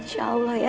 insya allah ya